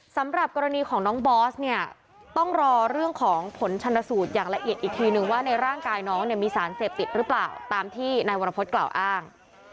สำหรับกรณีของน้องบอสเนี่ยต้องรอเรื่องของผลชนสูตรอย่างละเอียดอีกทีนึงว่าในร่างกายน้องเนี่ยมีสารเสพติดหรือเปล่าตามที่นายวรพฤษกล่าวอ้าง